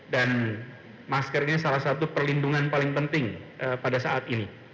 dan maskernya salah satu perlindungan paling penting pada saat ini